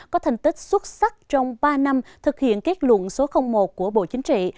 có thành tích xuất sắc trong ba năm thực hiện kết luận số một của bộ chính trị